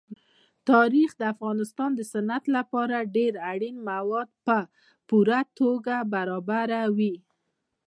تاریخ د افغانستان د صنعت لپاره ډېر اړین مواد په پوره توګه برابروي.